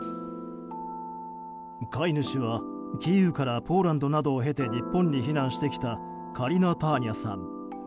飼い主はキーウからポーランドなどを経て日本に避難してきたカリナ・ターニャさん。